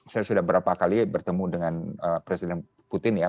saya sudah berapa kali bertemu dengan presiden putin ya